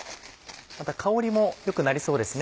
また香りも良くなりそうですね。